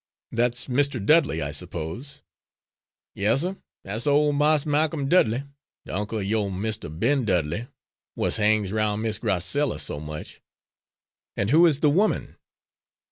"That's Mr. Dudley, I suppose?" "Yas, suh, dat's ole Mars Ma'com Dudley, de uncle er young Mistah Ben Dudley w'at hangs 'roun Miss Grac'ella so much." "And who is the woman?"